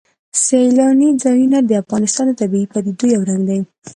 سیلانی ځایونه د افغانستان د طبیعي پدیدو یو رنګ دی.